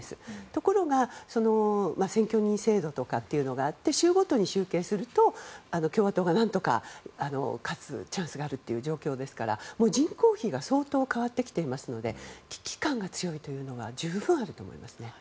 ところが選挙人制度というのがあって州ごとに集計すると、共和党が何とか勝つチャンスがあるという状況ですから人口比が相当変わってきているので危機感が強いというのは十分あると思います。